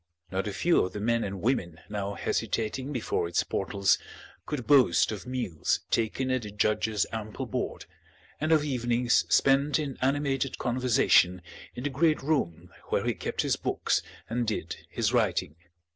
Not a few of the men and women now hesitating before its portals could boast of meals taken at the judge's ample board, and of evenings spent in animated conversation in the great room where he kept his books and did his writing.